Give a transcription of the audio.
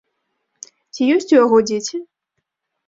Ці ёсць у яго дзеці?